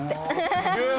すげえ！